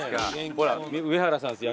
ほら上原さんですよ。